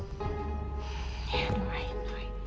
iya doain doain